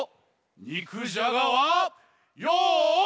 にくじゃがはよっ！